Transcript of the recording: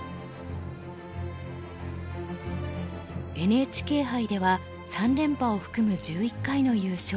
ＮＨＫ杯では３連覇を含む１１回の優勝。